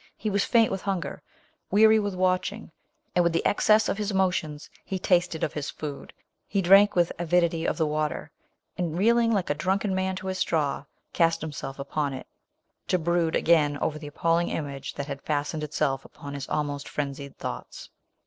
He was faint with hunger; weary with watching, and with the excess of his emotions. He tasted of his food ; he drank with avidity of the water ; 'and reeling like a drunken man to his straw, cast himself upon it to brood again over the appalling image that had fastened itself upon his al 'most frenzied thoughts.